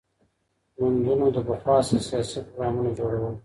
ګوندونو له پخوا څخه سياسي پروګرامونه جوړول.